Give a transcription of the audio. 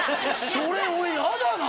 それ俺嫌だな！